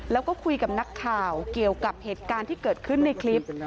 แล้วก็คุยกับนักข่าวเกี่ยวกับเหตุการณ์ที่เกิดขึ้นในคลิป